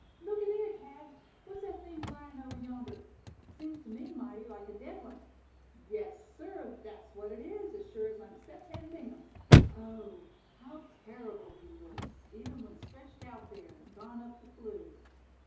"Looky there, Thad, what's that thing lying over yonder? Seems to me mighty like a dead one. Yes, sir, that's what it is, as sure as I'm Step Hen Bingham. Oh! how terrible he looks, even when stretched out there, and gone up the flue.